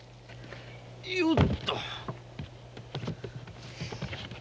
いよっと。